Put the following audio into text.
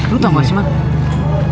lu tahu bang sih bang